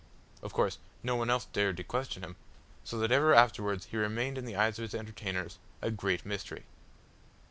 Of course no one else dared to question him, so that ever afterwards he remained in the eyes of his entertainers as a "Great Mystery."